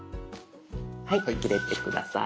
はい入れて下さい。